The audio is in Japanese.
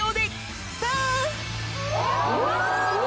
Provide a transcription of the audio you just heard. うわ！